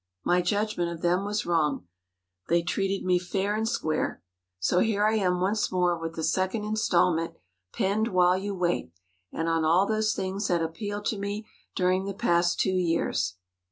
My judgment of them was wrong. They treated me fair and square. So here I am once more with the second installment, "Penned while you wait" and on all those things that appealed to me during the past two years.